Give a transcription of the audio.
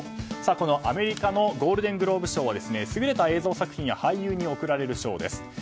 このアメリカのゴールデングローブ賞は優れた映像作品や俳優に贈られる賞です。